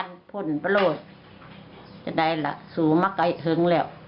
ด้วยเหนือกัน